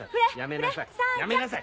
やめなさい！